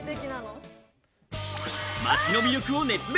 街の魅力を熱弁！